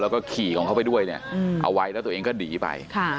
แล้วก็ขี่ของเขาไปด้วยเนี่ยเอาไว้แล้วตัวเองก็หนีไป